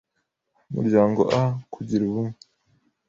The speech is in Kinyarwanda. m urya n g o” a) Kugira ubumwe,